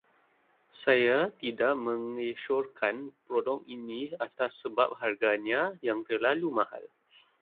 Saya tidak mengesyorkan produk ini atas sebab harganya yang terlalu mahal.